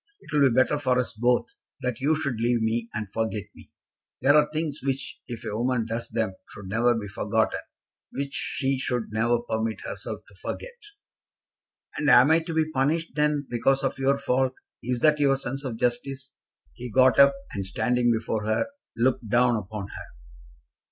It will be better for us both that you should leave me, and forget me. There are things which, if a woman does them, should never be forgotten; which she should never permit herself to forget." "And am I to be punished, then, because of your fault? Is that your sense of justice?" He got up, and standing before her, looked down upon her.